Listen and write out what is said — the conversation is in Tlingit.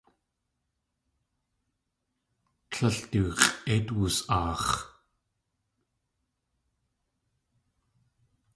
Tlél du x̲ʼéit wus.aax̲.